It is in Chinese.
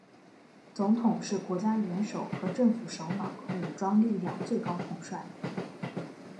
总统是国家元首和政府首脑和武装力量最高统帅。